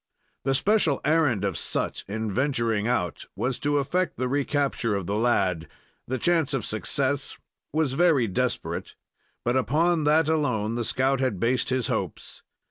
The special errand of Sut in venturing out was to effect the recapture of the lad. The chance of success was very desperate, but upon that alone the scout had based his hopes.